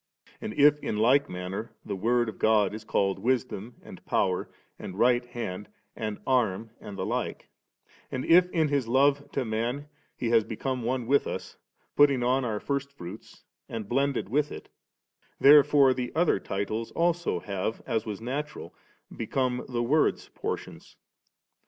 And if ill like manner the Word of God is called Wisdom and Power and Right Hand and Arm and the like, and if in His love to man He has become one with us, putting on our first fruits and blended with it, therefore the other titles also have, as was natural, become the Word's portions.